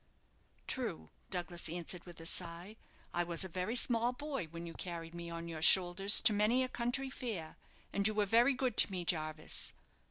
"True," Douglas answered with a sigh; "I was a very small boy when you carried me on your shoulders to many a country fair, and you were very good to me, Jarvis."